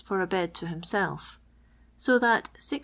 for a bed to himself; so that, \Qs.